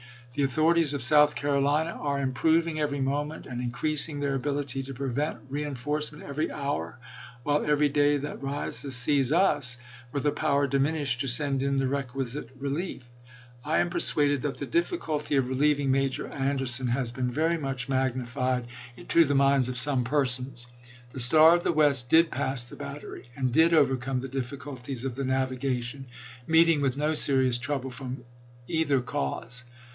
.. The authorities of South Carolina are im proving every moment, and increasing their ability to prevent reenforcement every hour, while every day that rises sees us with a power diminished to send in the requisite relief. .. I am persuaded that the difficulty of relieving Major Anderson has been very much magnified 158 ABKAHAM LINCOLN chap. xi. to the minds of some persons. .. The Star of the West did pass the battery and did overcome the difficulties of the navigation, meeting with no serious trouble from either cause.